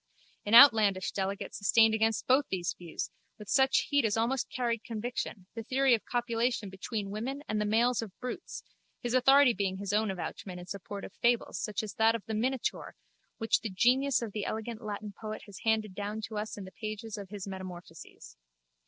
An outlandish delegate sustained against both these views, with such heat as almost carried conviction, the theory of copulation between women and the males of brutes, his authority being his own avouchment in support of fables such as that of the Minotaur which the genius of the elegant Latin poet has handed down to us in the pages of his Metamorphoses.